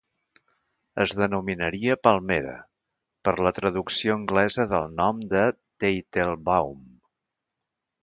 Es denominaria Palmera, per la traducció anglesa del nom de Teitelbaum.